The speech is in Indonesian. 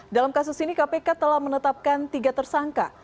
dalam kasus ini kpk telah menetapkan tiga tersangka